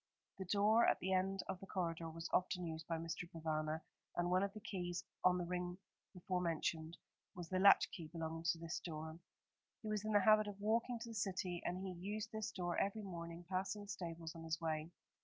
The door at the end of the corridor was often used by Mr. Provana, and one of the keys on the ring before mentioned was the latch key belonging to this door. He was in the habit of walking to the City, and he used this door every morning, passing the stables on his way.